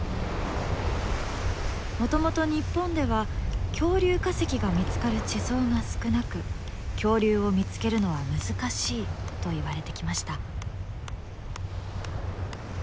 もともと日本では恐竜化石が見つかる地層が少なく恐竜を見つけるのは難しいといわれてきました。